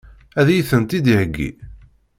Ad iyi-tent-id-iheggi?